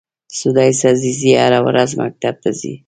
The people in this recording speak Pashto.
سُدیس عزیزي هره ورځ مکتب ته ځي.